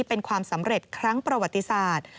เป็นความสำเร็จครั้งประวัติศาสตร์